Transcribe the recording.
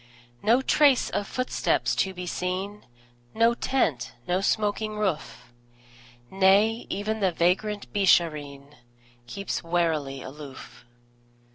No trace of footsteps to be seen, No tent, no smoking roof; Nay, even the vagrant Beeshareen Keeps warily aloof.